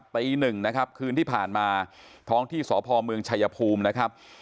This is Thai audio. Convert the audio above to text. ตีหนึ่งนะครับคืนที่ผ่านมาท้องที่สพเมืองชายภูมินะครับ